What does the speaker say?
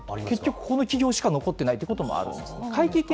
結局この企業しか残っていないということもあります。